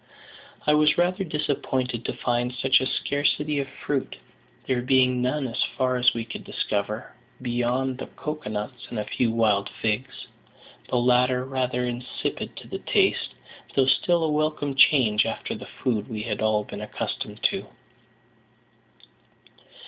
I was rather disappointed to find such a scarcity of fruit, there being none, as far as we could discover, beyond the cocoa nuts and a few wild figs: the latter rather insipid to the taste, though still a welcome change after the food we had all been accustomed to.